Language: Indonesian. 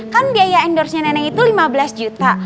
kan biaya endorse nya neneng itu lima belas juta